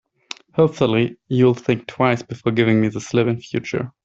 Hopefully, you'll think twice before giving me the slip in future.